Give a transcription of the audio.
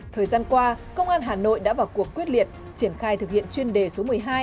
thời gian qua công an hà nội đã vào cuộc quyết liệt triển khai thực hiện chuyên đề số một mươi hai